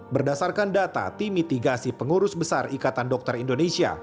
berdasarkan data timitigasi pengurus besar ikatan dokter indonesia